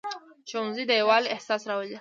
ښوونځی د یووالي احساس راولي